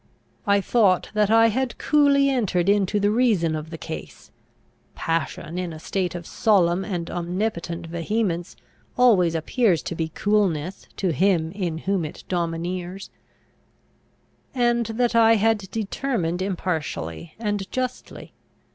I thought that I had coolly entered into the reason of the case (passion, in a state of solemn and omnipotent vehemence, always appears to be coolness to him in whom it domineers), and that I had determined impartially and justly.